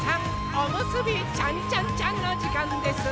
おむすびちゃんちゃんちゃんのじかんです！